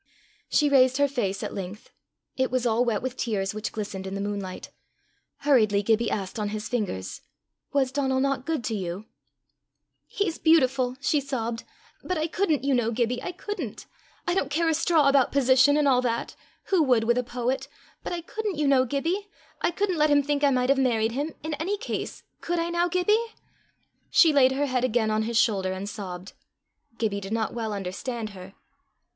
She raised her face at length. It was all wet with tears which glistened in the moonlight. Hurriedly Gibbie asked on his fingers: "Was Donal not good to you?" "He's beautiful," she sobbed; "but I couldn't, you know, Gibbie, I couldn't. I don't care a straw about position and all that who would with a poet? but I couldn't, you know, Gibbie. I couldn't let him think I might have married him in any case: could I now, Gibbie?" She laid her head again on his shoulder and sobbed. Gibbie did not well understand her.